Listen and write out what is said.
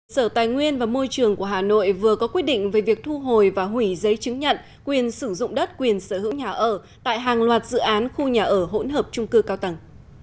sở tài nguyên và môi trường của hà nội vừa có quyết định về việc thu hồi và hủy giấy chứng nhận quyền sử dụng đất quyền sở hữu nhà ở tại hàng loạt dự án khu nhà ở hỗn hợp trung cư cao tầng